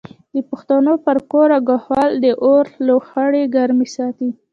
د پښتنو پر کور او کهول د اور لوخړې ګرمې ساتي.